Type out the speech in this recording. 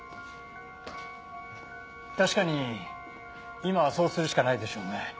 確かに今はそうするしかないでしょうね。